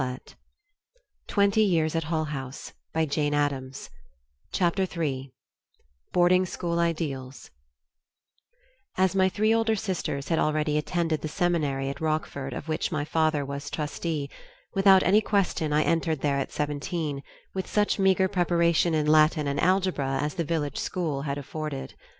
1910) pp. 43 64. [Editor: Mary Mark Ockerbloom] CHAPTER III BOARDING SCHOOL IDEALS As my three older sisters had already attended the seminary at Rockford, of which my father was trustee, without any question I entered there at seventeen, with such meager preparation in Latin and algebra as the village school had afforded.